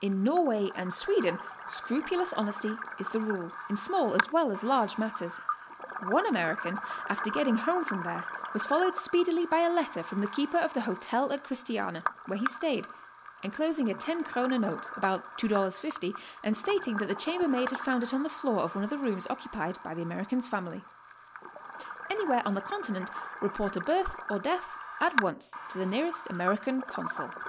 In Norway and Sweden scrupulous honesty is the rule, in small as well as large matters. One American, after get ting home from there, was followed speedily by a letter from the keeper of the hotel at Christiania, where he stayed, enclos ing a ten krone note (about $2.50), and stating that the cham bermaid had found it on the floor of one of the rooms occu pied by the American's family. Anywhere on the Continent report a birth or death at once to the nearest American consul.